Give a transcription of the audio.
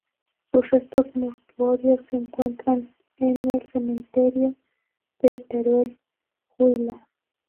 Sus restos mortuorios se encuentran en el cementerio de Teruel, Huila.